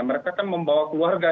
mereka kan membawa keluarga juga kan